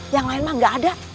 yang lain mah gak ada